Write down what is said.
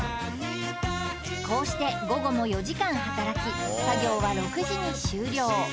こうして午後も４時間働き作業は６時に終了